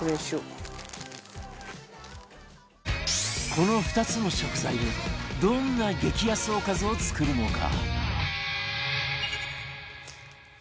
この２つの食材でどんな激安おかずを作るのか？